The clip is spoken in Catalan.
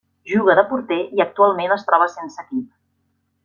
Juga de porter i actualment es troba sense equip.